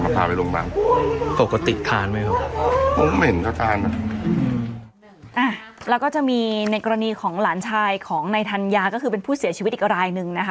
มันพาไปโรงพยาบาลปกติทานไหมเขาอู้เหม็นก็ทานอ่ะอ้าแล้วก็จะมีในกรณีของหลานชายของในทันยาก็คือเป็นผู้เสียชีวิตอีกรายหนึ่งนะคะ